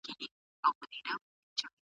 د ټولنې ګټه په خپله ګټه کې وګوره.